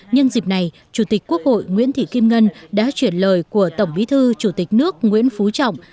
nhân dịp này chủ tịch quốc hội nguyễn thị kim ngân đã chuyển lời của tổng bí thư chủ tịch nước nguyễn phú trọng